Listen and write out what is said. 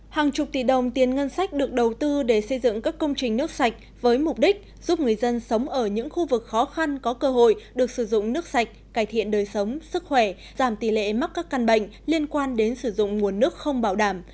hàng chục tỷ đồng tiền ngân sách được đầu tư để xây dựng các công trình nước sạch với mục đích giúp người dân sống ở những khu vực khó khăn có cơ hội được sử dụng nước sạch cải thiện đời sống sức khỏe giảm tỷ lệ mắc các căn bệnh liên quan đến sử dụng nguồn nước không bảo đảm